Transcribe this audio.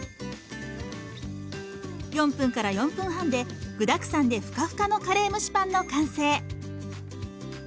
４分から４分半で具だくさんでふかふかのカレー蒸しパンの完成。